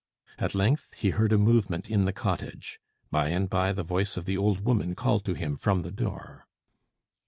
At length he heard a movement in the cottage. By and by the voice of the old woman called to him from the door.